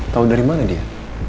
tahu dari mana dia